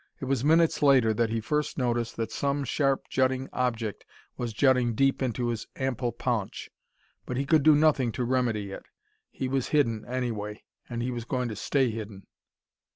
It was minutes later that he first noticed that some sharp jutting object was jutting deep into his ample paunch, but he could do nothing to remedy it. He was hidden, anyway, and he was going to stay hidden!